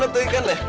itu ikan ya